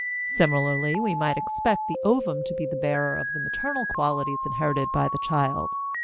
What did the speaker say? Similarly we might expect the ovum to be the bearer of the maternal qualities inherited by the child.